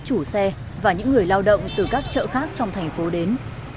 chủ xe và những người lao động từ các chợ khác trong thành phố đến